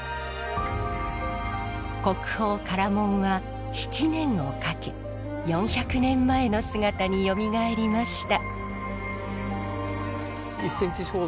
国宝唐門は７年をかけ４００年前の姿によみがえりました。